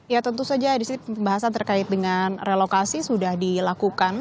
ya tentu saja di sini pembahasan terkait dengan relokasi sudah dilakukan